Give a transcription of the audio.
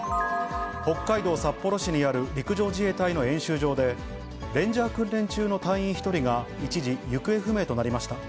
北海道札幌市にある陸上自衛隊の演習場で、レンジャー訓練中の隊員１人が一時、行方不明となりました。